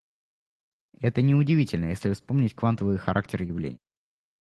и это неудивительно, если вспомнить квантовый характер явления.